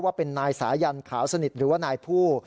ว่าเป็นนายสายันขาวสนิทหรือว่านายผู้